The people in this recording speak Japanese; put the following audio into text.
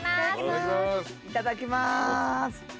いただきます。